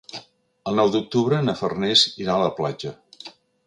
El nou d'octubre na Farners irà a la platja.